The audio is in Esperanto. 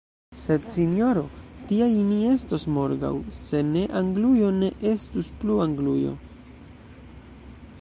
Sed, sinjoro, tiaj ni estos morgaŭ: se ne, Anglujo ne estus plu Anglujo!